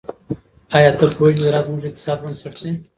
آیا ته پوهیږې چې زراعت زموږ د اقتصاد بنسټ دی؟